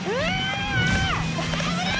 危ない！